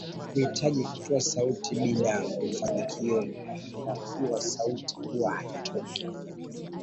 Kujitahidi kutoa sauti bila mafinikio kwa kuwa sauti huwa haitoki